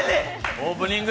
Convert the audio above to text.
オープニング！